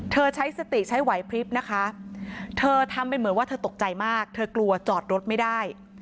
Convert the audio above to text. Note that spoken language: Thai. ใช้สติใช้ไหวพลิบนะคะเธอทำเป็นเหมือนว่าเธอตกใจมากเธอกลัวจอดรถไม่ได้